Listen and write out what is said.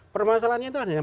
permasalahannya itu adalah